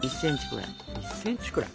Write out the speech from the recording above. １ｃｍくらい。